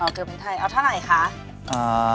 เอาเกลือพริกไทยเอาเท่าไหนคะ